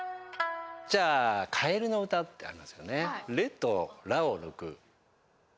じゃあかえるの歌ってありますよね。